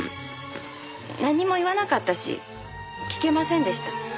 何も言わなかったし聞けませんでした。